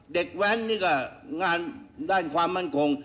แว้นนี่ก็งานด้านความมั่นคง